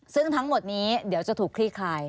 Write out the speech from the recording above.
ซึ่งทั้งหมดนี้เดี๋ยวจะถูกคลี่คลาย